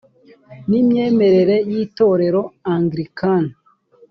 n imyemerere y itorero anglikani